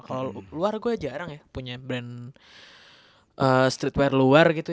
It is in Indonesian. kalau luar gue jarang ya punya brand streetwear luar gitu